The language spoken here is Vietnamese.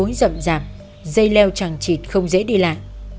đầu nguồn cây cối rậm rạp dây leo trằng trịt không dễ đi lại